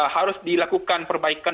harus dilakukan perbaikan